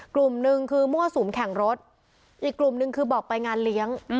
กลุ่มหนึ่งคือมั่วสุมแข่งรถอีกกลุ่มหนึ่งคือบอกไปงานเลี้ยง